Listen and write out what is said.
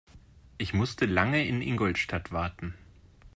Ich musste lange in Ingolstadt warten